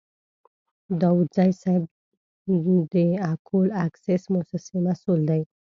داودزی صیب د اکول اکسیس موسسې مسوول دی.